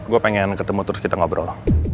gue pengen ketemu terus kita ngobrol